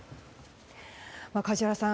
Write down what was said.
梶原さん